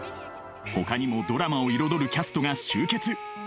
ほかにもドラマを彩るキャストが集結